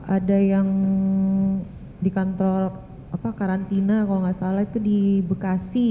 ada yang di kantor karantina kalau nggak salah itu di bekasi